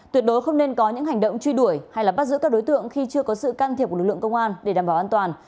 tuyệt đối không nên có những hành động truy đuổi hay bắt giữ các đối tượng khi chưa có sự can thiệp của lực lượng công an để đảm bảo an toàn